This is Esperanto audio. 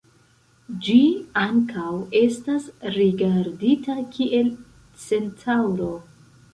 Ĝi ankaŭ estas rigardita kiel centaŭro.